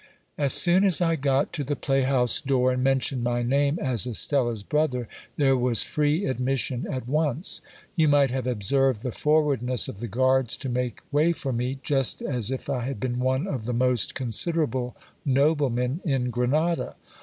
As soon as I got to the playhouse door, and mentioned my name as Estella's brother, there was free admission at once. You might have observed the for wardness of the guards to make way for me, just as if I had been one of the most considerable noblemen in Grenada.